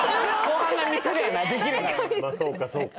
まあそうかそうか。